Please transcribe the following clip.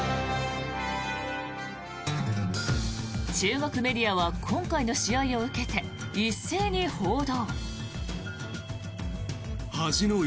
中国メディアは今回の試合を受けて一斉に報道。